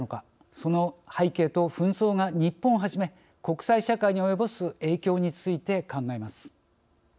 その背景と紛争が日本をはじめ国際社会に及ぼす影響について考えます。